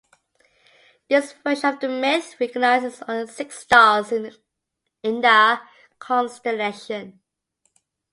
This version of the myth recognizes only six stars in the constellation.